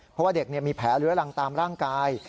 เพราะว่าเด็กมีแผลเลื้อรังตามร่างกาย